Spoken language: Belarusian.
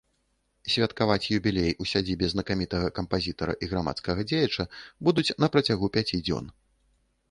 Святкаваць юбілей у сядзібе знакамітага кампазітара і грамадскага дзеяча будуць на працягу пяці дзён.